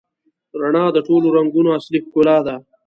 رڼا د ټولو رنګونو اصلي ښکلا ده.